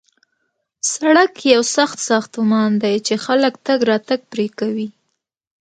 سړک یو سخت ساختمان دی چې خلک تګ راتګ پرې کوي